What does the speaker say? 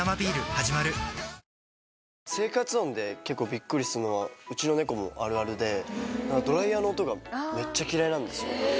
はじまる生活音で結構びっくりするのはうちの猫もあるあるで、ドライヤーの音がめっちゃ嫌いなんですよ。